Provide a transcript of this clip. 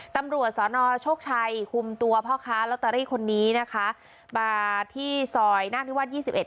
ตำรวจสอนอชกชัยคุมตัวพ่อค้าร็อตเตอรี่คนนี้นะคะมาที่ซอยน่าที่วัดยี่สิบเอ็ด